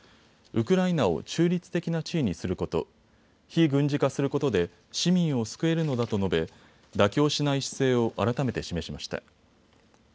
ウクライナを中立的な地位にすること、非軍事化することで市民を救えるのだと述べ妥協しない姿勢を改めて示しました。